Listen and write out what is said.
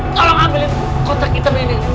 tolong ambilin kotak kita beli ini